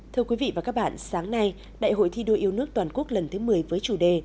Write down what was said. thưa quý vị và các bạn sáng nay đại hội thi đua yêu nước toàn quốc lần thứ một mươi với chủ đề